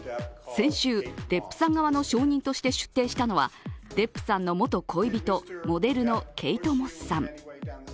先週、デップさん側の証人として出廷したのはデップさんの元恋人、モデルのケイト・モスさん。